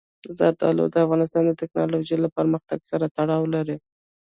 زردالو د افغانستان د تکنالوژۍ له پرمختګ سره تړاو لري.